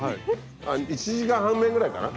あっ１時間半目ぐらいかな